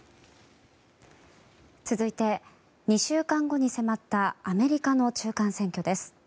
続いて、２週間後に迫ったアメリカの中間選挙です。